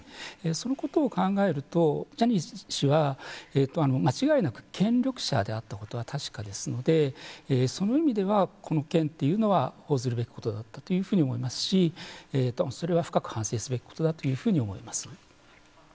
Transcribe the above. そのことを考えるとジャニー氏は間違いなく権力者であったことは確かですのでその意味では、この件というのは報ずるべきことだったというふうに思いますしそれは深く反省すべきことだというふうに思います。